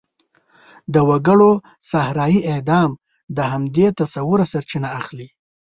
د وګړو صحرايي اعدام د همدې تصوره سرچینه اخلي.